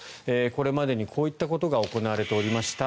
これまでにこういったことが行われておりました。